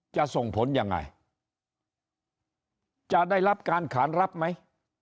จะส่งผลยังไงจะได้รับการขานรับไหม